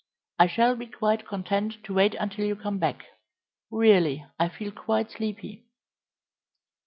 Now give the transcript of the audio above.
"I shall be quite content to wait until you come back. Really I feel quite sleepy."